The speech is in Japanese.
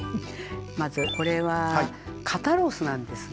まずこれは肩ロースなんですね。